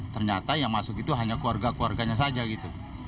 ternyata yang masuk itu hanya keluarga keluarganya saja gitu